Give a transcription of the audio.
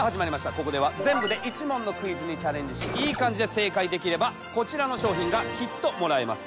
ここでは全部で１問のクイズにチャレンジしイイ感じで正解できればこちらの商品がきっともらえます。